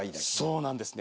そうなんですね。